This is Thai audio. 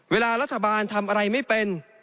เวลารัฐบาลทำอะไรไม่เป็น